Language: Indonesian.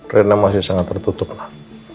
rena masih sangat tertutup lah